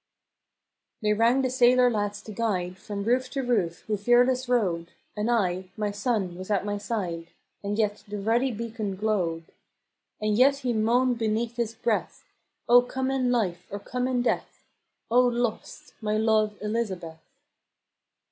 They rang the sailor lads to guide From roofe to roofe who fearless rowed; And I — my sonne was at my side, And yet the ruddy beacon glowed; THE HIGH TIDE. 73 And yet he moaned beneath his breath, " O come in life, or come in death! O lost! my love, Elizabeth."